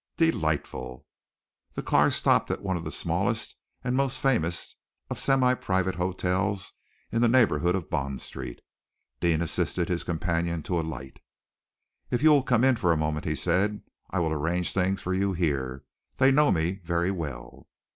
"Delightful!" The car stopped at one of the smallest and most famous of semi private hotels, in the neighborhood of Bond Street. Deane assisted his companion to alight. "If you will come in for a moment," he said, "I will arrange things for you here. They know me very well."